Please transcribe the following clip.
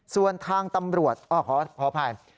ส่วนทางตำรวจขออภัย